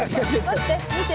待って。